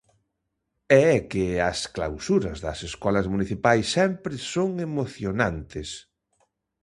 E é que as clausuras das escolas municipais sempre son emocionantes.